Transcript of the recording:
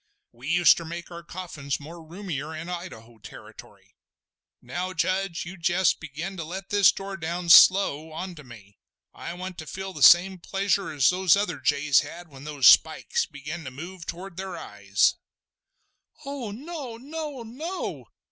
We uster make our coffins more roomier in Idaho territory. Now, Judge, you jest begin to let this door down, slow, on to me. I want to feel the same pleasure as the other jays had when those spikes began to move toward their eyes!" "Oh no! no! no!"